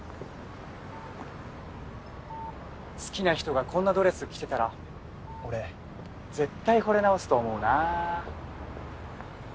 好きな人がこんなドレス着てたら俺絶対惚れ直すと思うな。